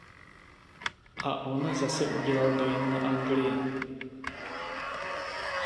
A on zase udělal dojem na Anglii.